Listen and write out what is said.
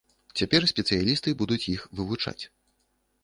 Цяпер спецыялісты будуць іх вывучаць.